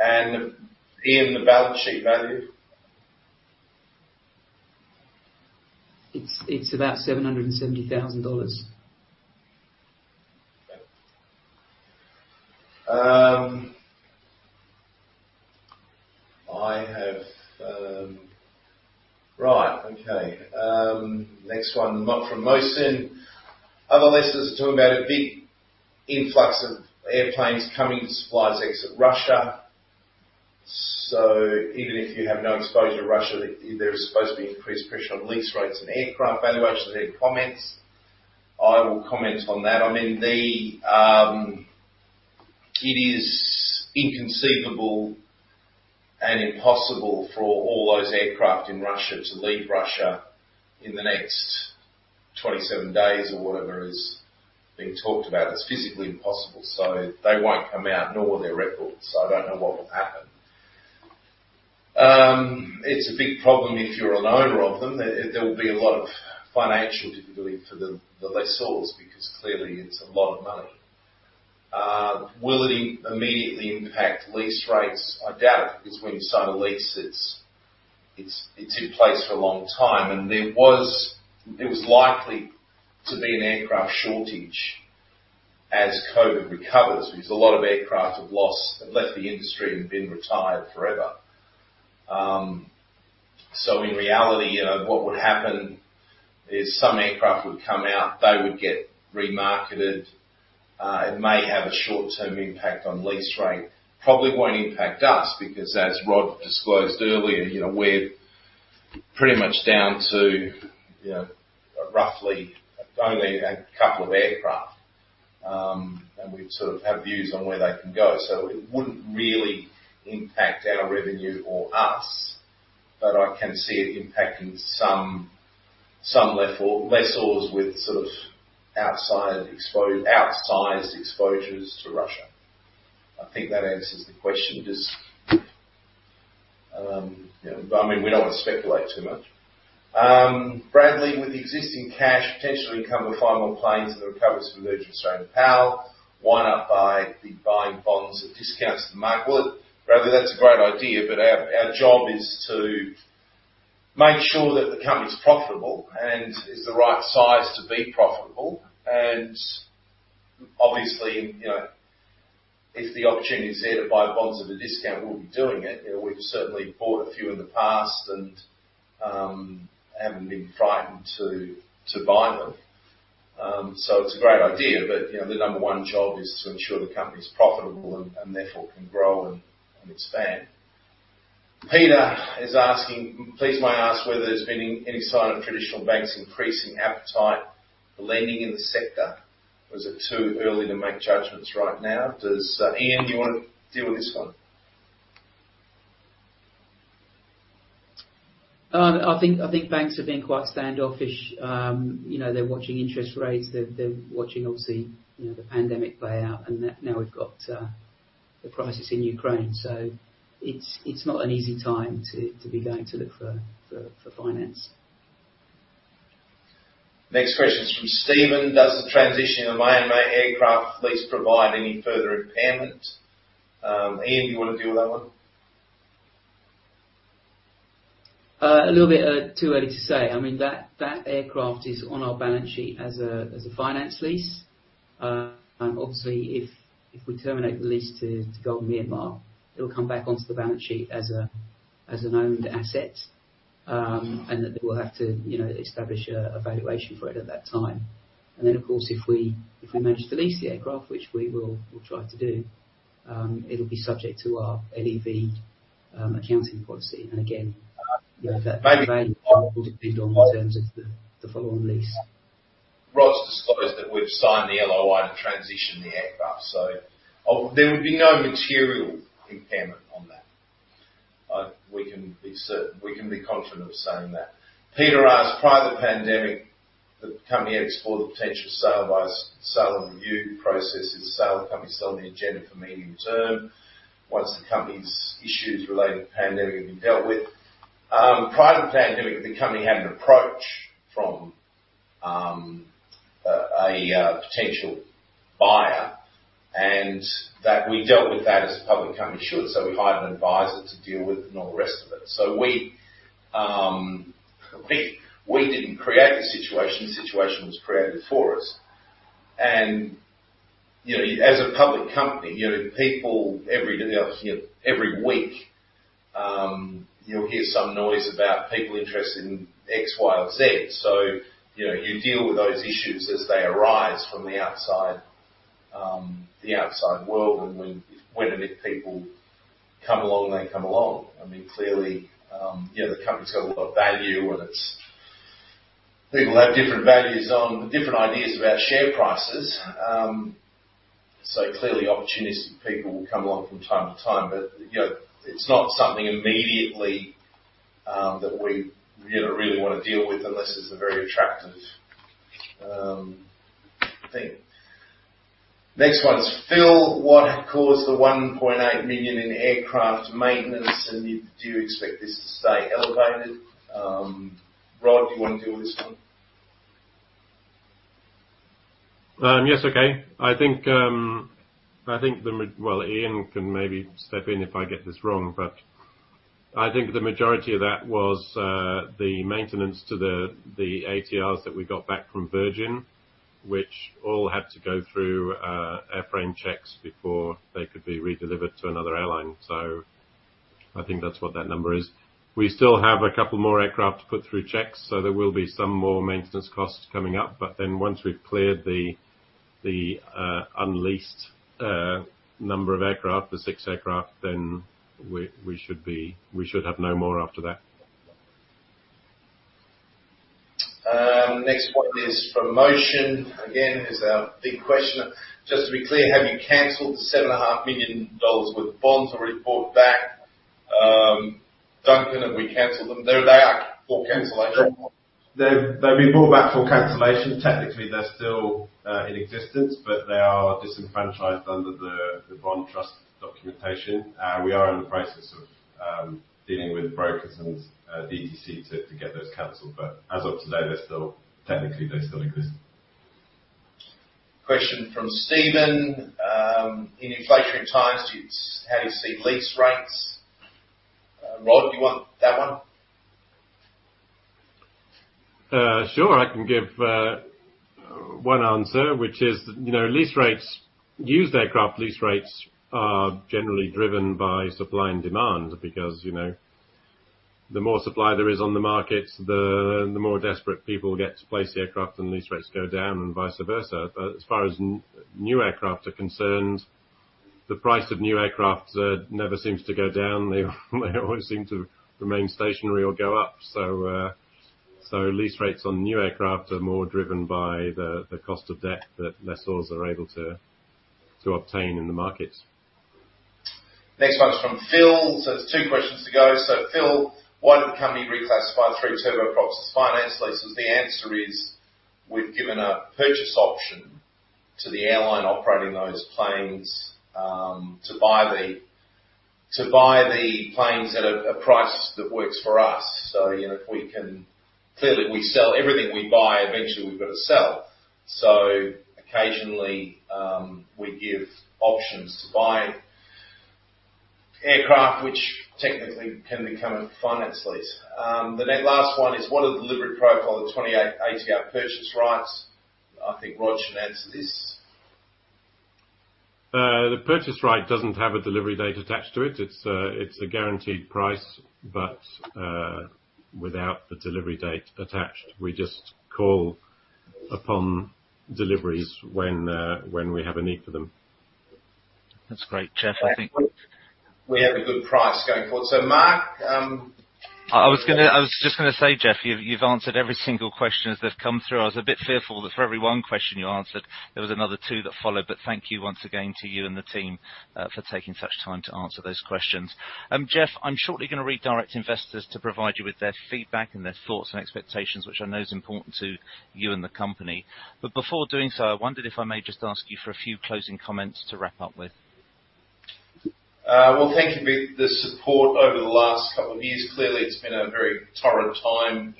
Speaker 3: Iain, the balance sheet value?
Speaker 5: It's about $770,000.
Speaker 3: Next one, not from Mohsin. Other lessors are talking about a big influx of airplanes coming as suppliers exit Russia. Even if you have no exposure to Russia, there is supposed to be increased pressure on lease rates and aircraft valuations. Any comments? I will comment on that. I mean, it is inconceivable and impossible for all those aircraft in Russia to leave Russia in the next 27 days or whatever is being talked about. It's physically impossible, so they won't come out, nor will their records. I don't know what will happen. It's a big problem if you're an owner of them. There will be a lot of financial difficulty for the lessors because clearly it's a lot of money. Will it immediately impact lease rates? I doubt it, because when you sign a lease, it's in place for a long time. It was likely to be an aircraft shortage as COVID recovers because a lot of aircraft have left the industry and been retired forever. In reality, you know, what would happen is some aircraft would come out. They would get remarketed. It may have a short-term impact on lease rate. Probably won't impact us because as Rod disclosed earlier, you know, we're pretty much down to, you know, roughly only a couple of aircraft. We sort of have views on where they can go. It wouldn't really impact our revenue or us. I can see it impacting some lessors with sort of outsized exposures to Russia. I think that answers the question. We don't wanna speculate too much. Bradley, with the existing cash, potential income to fund more planes and the recoveries from Virgin Australia and PAL, why not begin buying bonds at discounts to the market? Well, Bradley, that's a great idea, but our job is to make sure that the company's profitable and is the right size to be profitable. Obviously, you know, if the opportunity is there to buy bonds at a discount, we'll be doing it. You know, we've certainly bought a few in the past and haven't been frightened to buy them. It's a great idea, but you know, the number one job is to ensure the company's profitable and therefore can grow and expand. Peter is asking, "Please may I ask whether there's been any sign of traditional banks increasing appetite for lending in the sector? Or is it too early to make judgments right now?" Iain, do you wanna deal with this one?
Speaker 5: I think banks have been quite standoffish. You know, they're watching interest rates. They're watching obviously, you know, the pandemic play out, and now we've got the crisis in Ukraine. It's not an easy time to be going to look for finance.
Speaker 3: Next question is from Stephen. Does the transition of Myanmar aircraft lease provide any further impairment? Iain, do you wanna deal with that one?
Speaker 5: A little bit too early to say. I mean, that aircraft is on our balance sheet as a finance lease. Obviously, if we terminate the lease to Golden Myanmar, it'll come back onto the balance sheet as an owned asset. We'll have to, you know, establish a valuation for it at that time. Of course, if we manage to lease the aircraft, which we will, we'll try to do, it'll be subject to our LHV accounting policy. Again, you know, that value will depend on the terms of the following lease.
Speaker 3: Rod's disclosed that we've signed the LOI to transition the aircraft. There would be no material impairment on that. We can be confident of saying that. Peter asked, "Prior to the pandemic, the company had explored the potential sale by sale and review processes. Is sale of the company still on the agenda for medium term once the company's issues related to the pandemic have been dealt with?" Prior to the pandemic, the company had an approach from a potential buyer, and that we dealt with that as a public company should. We hired an advisor to deal with and all the rest of it. We didn't create the situation. The situation was created for us. You know, as a public company, you know, people every week, you'll hear some noise about people interested in X, Y, or Z. You know, you deal with those issues as they arise from the outside world. When and if people come along, they come along. I mean, clearly, you know, the company's got a lot of value and it's. People have different values on different ideas about share prices. So clearly, opportunistic people will come along from time to time, but you know, it's not something immediately that we you know, really wanna deal with unless it's a very attractive thing. Next one's Phil. What caused the $1.8 million in aircraft maintenance, and do you expect this to stay elevated? Rod, do you wanna deal with this one?
Speaker 7: Yes, okay. I think, Well, Iain can maybe step in if I get this wrong, but I think the majority of that was the maintenance to the ATRs that we got back from Virgin, which all had to go through airframe checks before they could be redelivered to another airline. I think that's what that number is. We still have a couple more aircraft to put through checks, so there will be some more maintenance costs coming up. Once we've cleared the unleased number of aircraft, the six aircraft, then we should have no more after that.
Speaker 3: Next one is from Mohsin. Again, it's a big question. Just to be clear, have you canceled the $7.5 million worth of bonds or report back? Duncan, have we canceled them? There they are for cancellation.
Speaker 2: They've been brought back for cancellation. Technically, they're still in existence, but they are disenfranchised under the bond trust documentation. We are in the process of dealing with brokers and DTC to get those canceled, but as of today, they still technically exist.
Speaker 3: Question from Stephen. In inflationary times, how do you see lease rates? Rod, you want that one?
Speaker 7: Sure. I can give one answer, which is, you know, lease rates, used aircraft lease rates are generally driven by supply and demand because, you know, the more supply there is on the markets, the more desperate people get to place the aircraft and lease rates go down, and vice versa. But as far as new aircraft are concerned, the price of new aircraft never seems to go down. They always seem to remain stationary or go up. So, lease rates on new aircraft are more driven by the cost of debt that lessors are able to obtain in the market.
Speaker 3: Next one is from Phil. Two questions to go. Phil, why did the company reclassify three turboprops as finance leases? The answer is, we've given a purchase option to the airline operating those planes to buy the planes at a price that works for us. You know, clearly, we sell everything we buy, eventually we've got to sell. Occasionally, we give options to buy aircraft, which technically can become a finance lease. And the last one is, what are the delivery profile of 28 ATR purchase rights? I think Rod should answer this.
Speaker 7: The purchase right doesn't have a delivery date attached to it. It's a guaranteed price, but without the delivery date attached. We just call upon deliveries when we have a need for them.
Speaker 1: That's great, Jeff.
Speaker 3: We have a good price going forward. Mark,
Speaker 1: I was just gonna say, Jeff, you've answered every single question as they've come through. I was a bit fearful that for every one question you answered, there was another two that followed. Thank you once again to you and the team for taking such time to answer those questions. Jeff, I'm shortly gonna redirect investors to provide you with their feedback and their thoughts and expectations, which I know is important to you and the company. Before doing so, I wondered if I may just ask you for a few closing comments to wrap up with.
Speaker 3: Well, thank you for the support over the last couple of years. Clearly, it's been a very trying time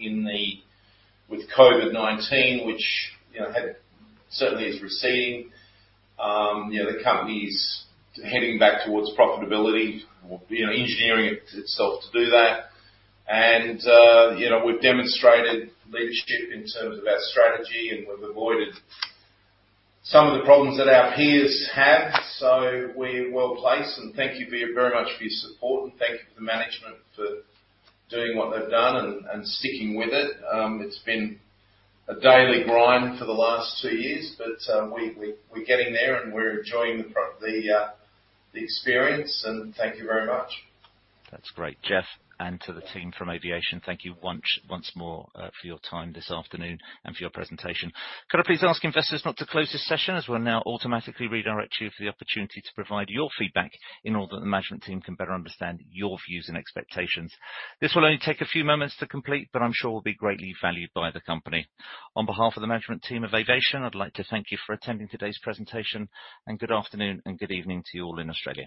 Speaker 3: with COVID-19, which, you know, certainly is receding. You know, the company's heading back towards profitability or, you know, engineering itself to do that. You know, we've demonstrated leadership in terms of our strategy, and we've avoided some of the problems that our peers have. We're well-placed. Thank you very much for your support. Thank you for the management for doing what they've done and sticking with it. It's been a daily grind for the last two years, but we're getting there, and we're enjoying the experience, and thank you very much.
Speaker 1: That's great, Jeff. To the team from Avation, thank you once more for your time this afternoon and for your presentation. Could I please ask investors not to close this session as we'll now automatically redirect you for the opportunity to provide your feedback in order that the management team can better understand your views and expectations. This will only take a few moments to complete, but I'm sure will be greatly valued by the company. On behalf of the management team of Avation, I'd like to thank you for attending today's presentation. Good afternoon and good evening to you all in Australia.